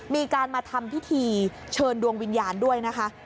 มีการมาทำพิธีเชิญดวงวิญญาณด้วยนะคะ